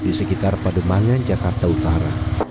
di sekitar pademangan jakarta utara